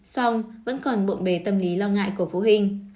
xong vẫn còn bộn bề tâm lý lo ngại của phụ huynh